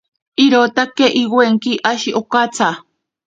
Iroka iwenki ashi okatsa.